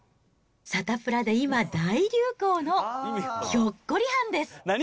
サタプラで今、大流行のひょっこりはんです。